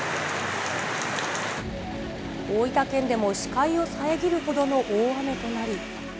大分県でも視界を遮るほどの大雨となり。